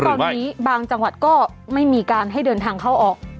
ตอนนี้บางจังหวัดก็ไม่มีการให้เดินทางเข้าออก